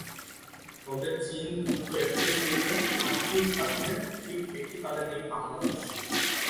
তবে চীন দ্রুত এফটিএ সইয়ে আগ্রহী থাকলে ঠিক একই তালে নেই বাংলাদেশ।